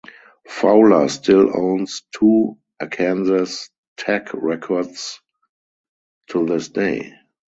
Fowler still owns two Arkansas Tech records to this day.